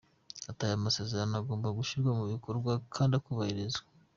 Ati “aya masezerano agomba gushyirwa mu bikorwa kandi akubahirizwa.”